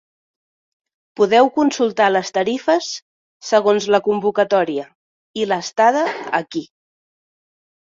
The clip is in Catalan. Podeu consultar les tarifes segons la convocatòria i l'estada aquí.